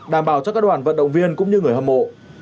đảm bảo cho các đoàn vận động viên cũng như người hâm mộ